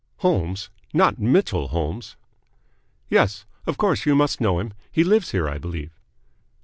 "Holmes? Not Mitchell Holmes?" "Yes. Of course you must know him? He lives here, I believe."